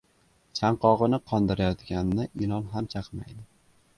• Chanqog‘ini qondirayotganni ilon ham chaqmaydi.